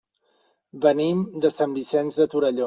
Venim de Sant Vicenç de Torelló.